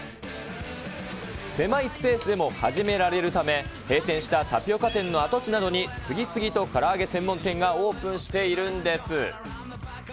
狭いスペースでも始められるため、閉店したタピオカ店の跡地などに次々とから揚げ専門店がオープンしているんです。